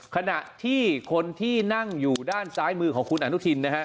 ขณะที่คนที่นั่งอยู่ด้านซ้ายมือของคุณอนุทินนะฮะ